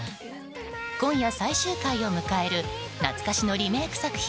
今夜、最終回を迎える懐かしのリメイク作品